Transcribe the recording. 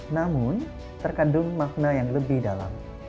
namun terkandung makna yang lebih dalam